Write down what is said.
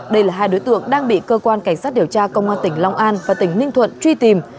đây là hai đối tượng đang bị cơ quan cảnh sát điều tra công an tỉnh long an và tỉnh ninh thuận truy tìm